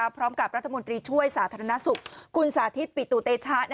พร้อมกับรัฐมนตรีช่วยสาธารณสุขคุณสาธิตปิตุเตชะ